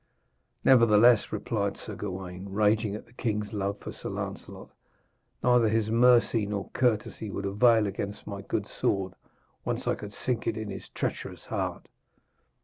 'Nevertheless,' replied Sir Gawaine, raging at the king's love for Sir Lancelot, 'neither his mercy nor courtesy would avail against my good sword, once I could sink it in his treacherous heart.'